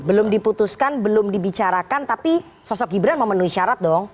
belum diputuskan belum dibicarakan tapi sosok gibran memenuhi syarat dong